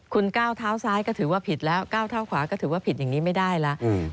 คุณก้าวเท้าซ้ายก็ถือว่าผิดแล้วก้าวเท้าขวาก็ถือว่าผิดอย่างนี้ไม่ได้แล้ว